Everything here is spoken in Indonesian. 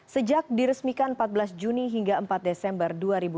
sejak diresmikan empat belas juni hingga empat desember dua ribu dua puluh